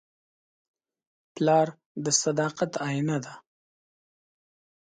پلار د صداقت آیینه ده.